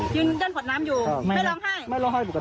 เพื่อนบ้านเจ้าหน้าที่อำรวจกู้ภัย